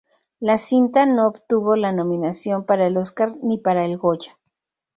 La cinta no obtuvo la nominación para el Óscar ni para el Goya.